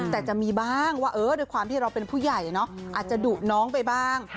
แต่จะมีบ้างว่าด้วยความที่เราเป็นผู้ใหญ่เนอะอาจจะดุน้องไปบ้าง